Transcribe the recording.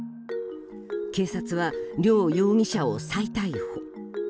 警察は両容疑者を再逮捕。